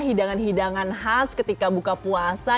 hidangan hidangan khas ketika buka puasa